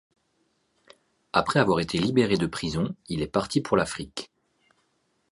Après avoir été libéré de prison, il est parti pour l'Afrique.